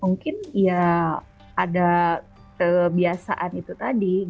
mungkin ya ada kebiasaan itu tadi